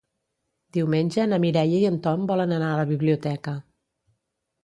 Diumenge na Mireia i en Tom volen anar a la biblioteca.